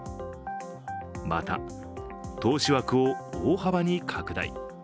また、投資枠を大幅に拡大。